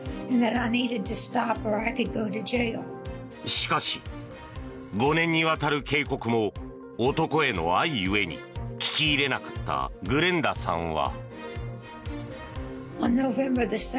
しかし、５年にわたる警告も男への愛ゆえに聞き入れなかったグレンダさんは。